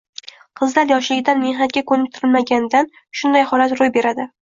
Qizlar yoshligidan mehnatga ko‘niktirilmaganidan shunday holat ro‘y beradi.